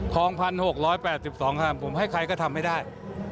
๑๖๘๒คำผมให้ใครก็ทำให้ได้